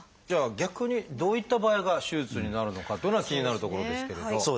じゃあ逆にどういった場合が手術になるのかっていうのが気になるところですけれど。